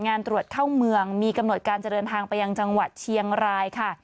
งานตรวจเข้าเมืองมีกำหนดการจะเดินทางไปยังจังหวัดเชียงรายค่ะ